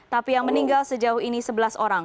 tapi yang meninggal sejauh ini sebelas orang